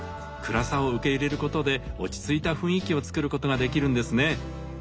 暗さを受け入れることで落ち着いた雰囲気をつくることができるんですね。